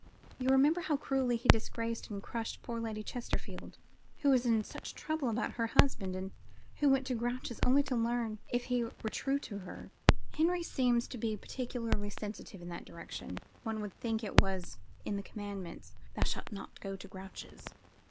You remember how cruelly he disgraced and crushed poor Lady Chesterfield, who was in such trouble about her husband, and who went to Grouche's only to learn if he were true to her. Henry seems to be particularly sensitive in that direction. One would think it was in the commandments: 'Thou shalt not go to Grouche's.'